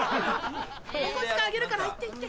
お小遣いあげるから行って行って。